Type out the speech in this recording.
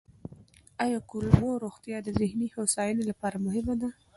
آیا کولمو روغتیا د ذهني هوساینې لپاره مهمه ده؟